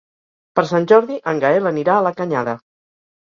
Per Sant Jordi en Gaël anirà a la Canyada.